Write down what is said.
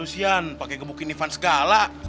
lu sian pake gebukin ivan segala